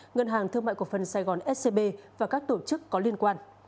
ngân hàng thương mại cộng phần sài gòn scb và các tổ chức có liên quan